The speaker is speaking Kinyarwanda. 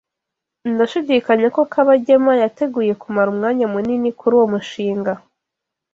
Ndashidikanya ko Kabagema yateguye kumara umwanya munini kuri uwo mushinga.